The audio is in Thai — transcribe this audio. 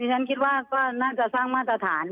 ฉันคิดว่าก็น่าจะสร้างมาตรฐาน